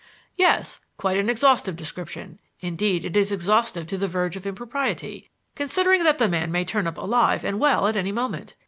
"Yes; quite an exhaustive description. Indeed, it is exhaustive to the verge of impropriety, considering that the man may turn up alive and well at any moment.